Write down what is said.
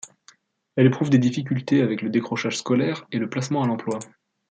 Elle éprouve des difficultés avec le décrochage scolaire et le placement à l'emploi.